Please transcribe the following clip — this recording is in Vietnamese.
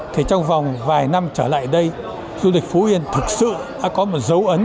trong vòng vài năm trở lại đây du lịch phụ yên thực sự đã có một dấu ấn